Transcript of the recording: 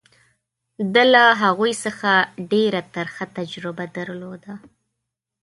ده له هغوی څخه ډېره ترخه تجربه درلوده.